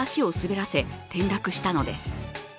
３人は、この油で足を滑らせ転落したのです。